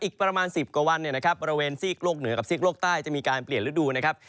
อีกประมาณสิบกว่าวันบริเวณสี่กโลกเหนือกับสี่กโลกใต้จะมีการเปลี่ยนฤดูนะครับ